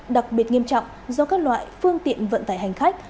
đặc biệt nghiêm trọng do các loại phương tiện vận tải hành khách